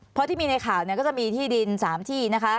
แล้วที่ไม่มีในข่าวเนี่ยก็จะมีที่ดินสามที่นะคะ